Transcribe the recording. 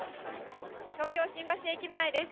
東京・新橋駅前です。